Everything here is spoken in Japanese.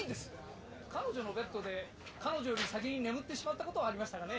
彼女のベッドで彼女より先に眠ってしまったことはありましたがね。